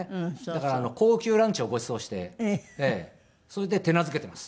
だから高級ランチをごちそうしてそれで手懐けています。